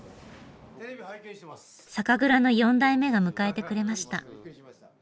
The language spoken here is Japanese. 酒蔵の４代目が迎えてくれました。